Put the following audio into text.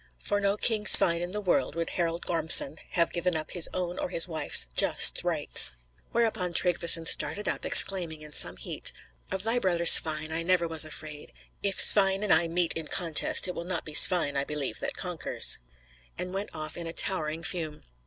For no King Svein in the world would Harald Gormson have given up his own or his wife's just rights!" Whereupon Tryggveson started up, exclaiming, in some heat, "Of thy brother Svein I never was afraid; if Svein and I meet in contest, it will not be Svein, I believe, that conquers;" and went off in a towering fume.